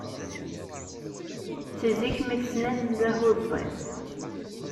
Si zik mi t-ssnen d ahuẓẓi.